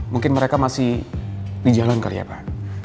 mungkin mereka masih di jalan kali ya pak